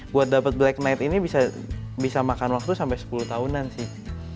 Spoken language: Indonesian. buat dapat black night ini bisa makan waktu sampai sepuluh tahunan sih